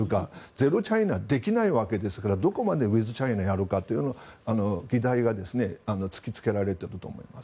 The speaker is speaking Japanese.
ゼロチャイナできないわけですからどこまでウィズチャイナにするかという議題が突きつけられていると思います。